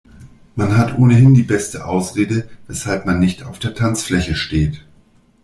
Man hat ohnehin die beste Ausrede, weshalb man nicht auf der Tanzfläche steht.